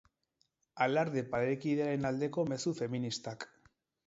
Alarde parekidearen aldeko mezu feministak.